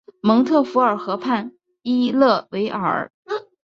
蒙特福尔河畔伊勒维尔。